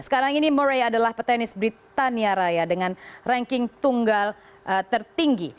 sekarang ini murray adalah petanis britannia raya dengan ranking tunggal tertinggi